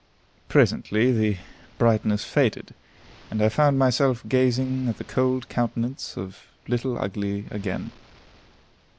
Presently the brightness faded, and I found myself gazing at the cold countenance of Little Ugly again.